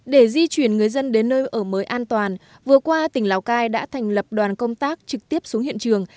để di chuyển người dân đến nơi ở mới an toàn vừa qua tỉnh lào cai đã thành lập đoàn công tác trực tiếp xuống hiện trường